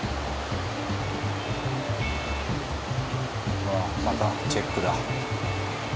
うわあまたチェックだ。